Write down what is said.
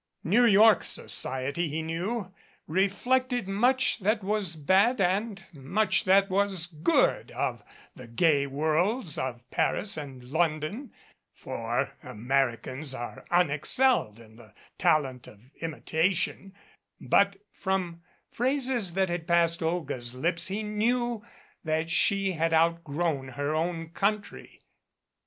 New York society, he knew, reflected much that was bad, and much that was good of the gay worlds of Paris and Lon don; for Americans are unexcelled in the talent of imita tion, but from phrases that had passed Olga's lips he knew that she had outgrown her own country.